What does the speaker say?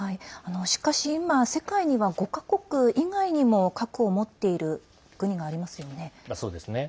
しかし、今世界には５か国以外にも核を持っている国がありますよね。